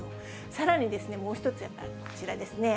さらに、もう一つ、こちらですね。